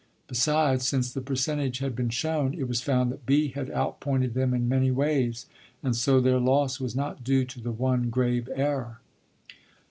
Besides, since the percentage had been shown, it was found that "B" had outpointed them in many ways, and so their loss was not due to the one grave error.